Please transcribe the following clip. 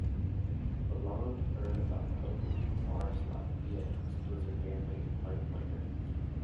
LaLonde heard about the open guitar slot via ex-Blizzard bandmate Mike Miner.